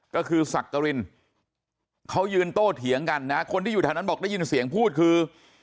ก็คือสักกรินเขายืนโต้เถียงกันนะคนที่อยู่แถวนั้นบอกได้ยินเสียงพูดคือ